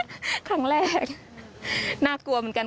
หรือว่าเจอบ่อยไหมครับครั้งแรกครั้งแรกน่ากลัวเหมือนกัน